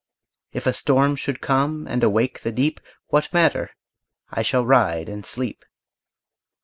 If a storm should come and awake the deep, What matter? I shall ride and sleep.